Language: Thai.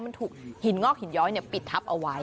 มันถูกหินงอกหินย้อยปิดทับเอาไว้